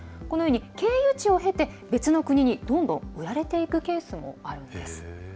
このように経由地を経て別の国にどんどん、売られていくケースもあるんです。